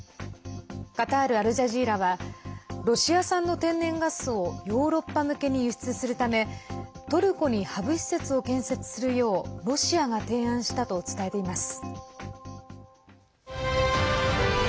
カタール・アルジャジーラはロシア産の天然ガスをヨーロッパ向けに輸出するためトルコにハブ施設を建設するようロシアが提案したと伝えています。